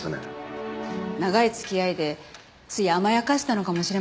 長い付き合いでつい甘やかしたのかもしれませんね。